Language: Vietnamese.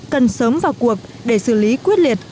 cần sớm vào cuộc để xử lý quyết liệt